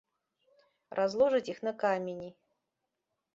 Разложыць іх на камені.